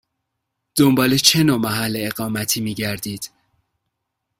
دنبال چه نوع محل اقامتی می گردید؟